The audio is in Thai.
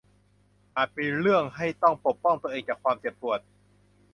อาจมีเรื่องให้ต้องปกป้องตัวเองจากความเจ็บปวด